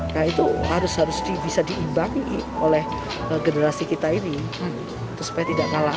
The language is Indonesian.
nah itu harus harus bisa diimbangi oleh generasi kita ini supaya tidak kalah